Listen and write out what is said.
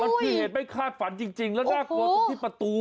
มันคือเหตุไม่คาดฝันจริงแล้วน่ากลัวตรงที่ประตู